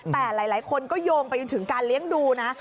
แต่หลายคนก็โยงไปจนถึงการเลี้ยงดูนะ